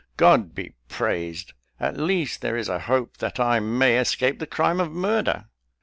God be praised. At least there is a hope that I may escape the crime of murder."